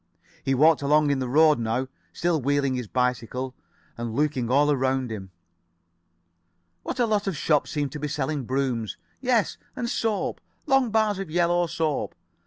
He walked along in the road now, still wheeling his bicycle, and looking all around him. What a lot of shops seemed to be selling brooms. Yes, and soap. Long bars of yellow soap.